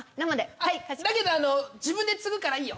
あっだけど自分でつぐからいいよ。